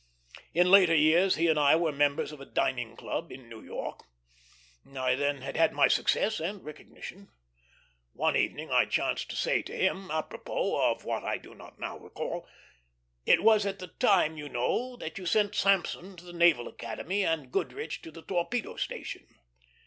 In later years he and I were members of a dining club in New York. I then had had my success and recognition. One evening I chanced to say to him, apropos of what I do not now recall, "It was at the time, you know, that you sent Sampson to the Naval Academy, and Goodrich to the Torpedo Station."